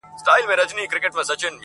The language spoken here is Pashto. لومړی خپل ځان ته احترام پیدا کړه